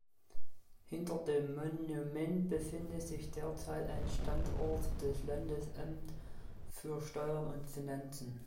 Hinter dem Monument befindet sich derzeit ein Standort des Landesamt für Steuern und Finanzen.